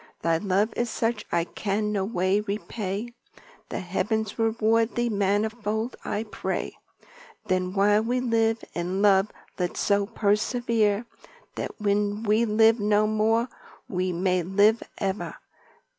Thy love is such I can no way repay, The heavens reward thee, manifold I pray. Then while we live in love let's so persevere, That when we live no more, we may live ever."